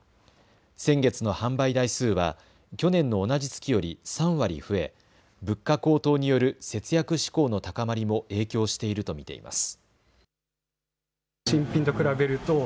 先月の販売台数は去年の同じ月より３割増え、物価高騰による節約志向の高まりも影響していると見ています。